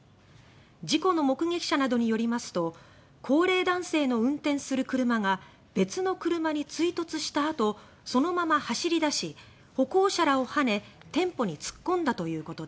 事故の目撃者などによりますと高齢男性の運転する車が別の車に追突したあとそのまま走り出し歩行者らをはね店舗に突っ込んだということです